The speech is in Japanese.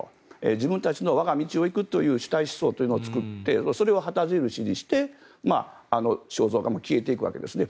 自分たちの我が道を行くという主体思想というのを作ってそれを旗印にして肖像画も消えていくわけですね。